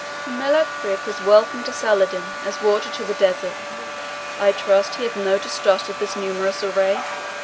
"The Melech Ric is welcome to Saladin as water to this desert. I trust he hath no distrust of this numerous array.